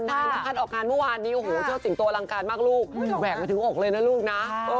นายนภัทรออกการเมื่อวานนี้โชว์สิงตัวอลังการมากลูกแหวกไปถึงอกเลยนะลูกนะ